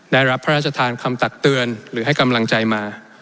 ได้รับพระราชทานคำตักเตือนหรือให้กำลังใจมา